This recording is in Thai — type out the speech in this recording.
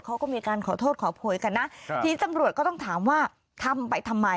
เขาก็มีการขอโทษขอโพยกันนะทีนี้ตำรวจก็ต้องถามว่าทำไปทำไม